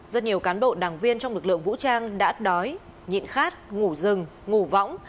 rất nhiều cán bộ đảng viên trong lực lượng vũ trang đã đói nhịn khát ngủ rừng ngủ võng